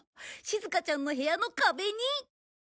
しずかちゃんの部屋の壁に。